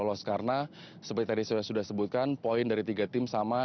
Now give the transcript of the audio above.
karena seperti tadi sudah sebutkan poin dari tiga tim sama